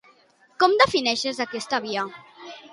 Com defineix aquesta via?